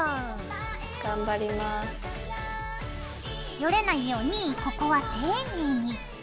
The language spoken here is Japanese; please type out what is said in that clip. ヨレないようにここは丁寧に。